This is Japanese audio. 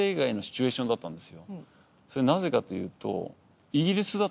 なぜかというと。